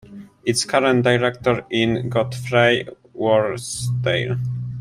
Its current Director is Godfrey Worsdale.